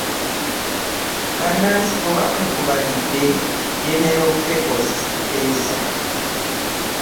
Bannansiko bakungubagidde jenero Pecos Kuteesa.